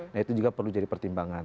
nah itu juga perlu jadi pertimbangan